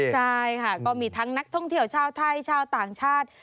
ใช่ค่ะก็มีทั้งนักท่องเที่ยวชาวไทยชาวต่างชาติ